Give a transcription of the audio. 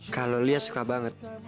kalau liat suka banget